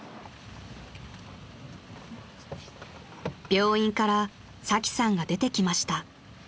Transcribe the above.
［病院からサキさんが出てきました］